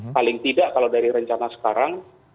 paling tidak kalau dari rencana sekarang